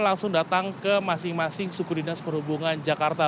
langsung datang ke masing masing suku dinas perhubungan jakarta